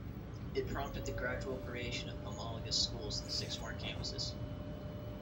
It prompted the gradual creation of homologous schools in six more campuses.